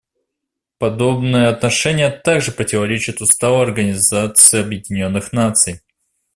Подобное отношение также противоречит Уставу Организации Объединенных Наций.